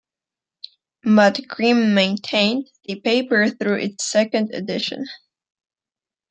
Matt Griem maintained the paper through its second edition.